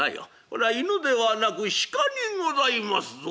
これは犬ではなく鹿にございますぞ」。